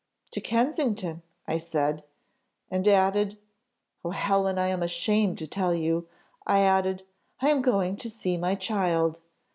To Kensington I said, and added oh! Helen, I am ashamed to tell you, I added, I am going to see my child.